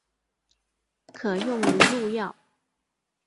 可用于入药。